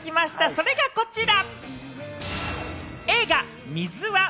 それがこちら！